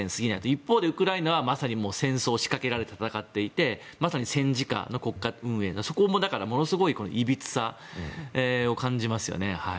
一方でウクライナはまさに戦争を仕掛けられて戦っていてまさに戦時下の国家運営でそこも、ものすごいいびつさを感じますよね。